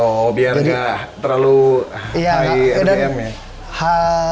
oh biar nggak terlalu high rpm ya